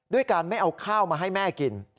ด้วยการไม่เอาข้าวมาให้แม่กิน